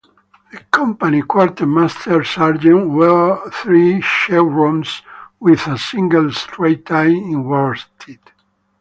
The company quartermaster sergeant wore three chevrons with a single straight tie in worsted.